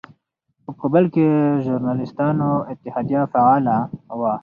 په کابل کې ژورنالېستانو اتحادیه فعاله وه.